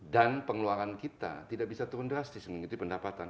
dan pengeluaran kita tidak bisa turun drastis mengikuti pendapatan